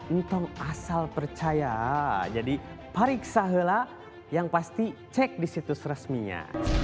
untung asal percaya jadi periksa lah yang pasti cek di situs resminya